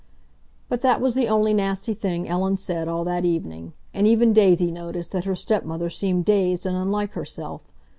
But that was the only nasty thing Ellen said all that evening. And even Daisy noticed that her stepmother seemed dazed and unlike herself.